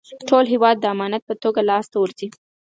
ټول هېواد د امانت په توګه لاسته ورځي.